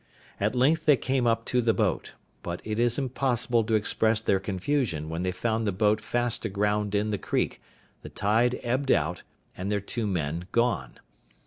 At length they came up to the boat: but it is impossible to express their confusion when they found the boat fast aground in the creek, the tide ebbed out, and their two men gone.